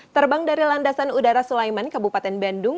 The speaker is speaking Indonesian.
terbang dari landasan udara sulaiman kabupaten bandung